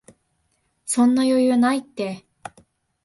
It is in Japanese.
そんな余裕ないって